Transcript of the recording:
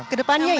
ke depannya ya